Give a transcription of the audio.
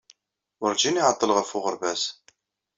Werǧin iɛeḍḍel ɣef uɣerbaz.